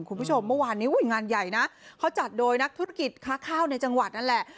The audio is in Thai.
คุณผู้ชมเมื่อวานนี้อุ้ยงานใหญ่นะเขาจัดโดยนักธุรกิจค้าข้าวในจังหวัดนั่นแหละ